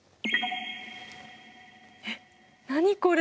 えっ何これ？